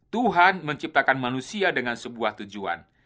tuhan menciptakan manusia dengan sebuah tujuan